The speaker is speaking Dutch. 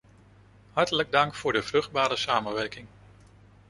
Hartelijk dank voor de vruchtbare samenwerking.